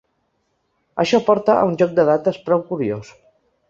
Això porta a un joc de dates prou curiós.